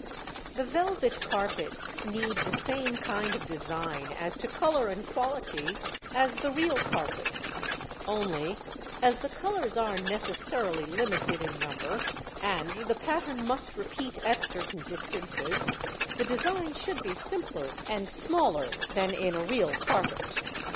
The velvet carpets need the same kind of design as to colour and quality as the real carpets; only, as the colours are necessarily limited in number, and the pattern must repeat at certain distances, the design should be simpler and smaller than in a real carpet.